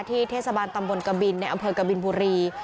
เทศบาลตำบลกบินในอำเภอกบินบุรี